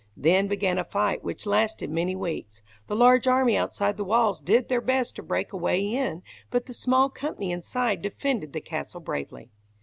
Then began a fight which lasted many weeks. The large army outside the walls did their best to break a way in, but the small company inside defended the castle bravely.